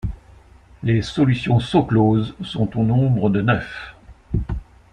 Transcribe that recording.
Les solutions SoCloz sont au nombre de neuf.